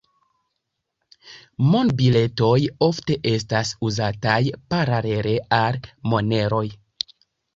Monbiletoj ofte estas uzataj paralele al moneroj.